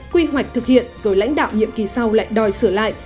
quy hoạch thực hiện rồi lãnh đạo nhiệm kỳ sau lại đòi sửa lại